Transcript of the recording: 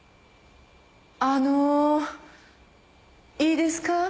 あのいいですか？